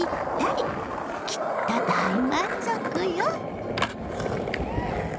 きっと大満足よ。